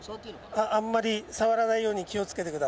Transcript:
あんまり触らないように気を付けて下さい。